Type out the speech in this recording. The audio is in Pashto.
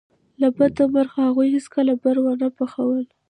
له بده مرغه هغوی هیڅکله برګر ونه پخول